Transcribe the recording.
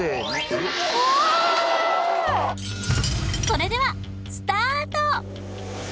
それではスタート！